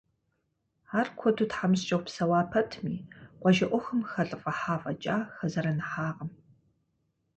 Ар куэду тхьэмыщкӏэу псэуа пэтми, къуажэ ӏуэхум хэлӏыфӏыхьа фӏэкӏа, хэзэрэныхьакъым.